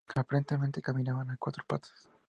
Aparentemente caminaban a cuatro patas.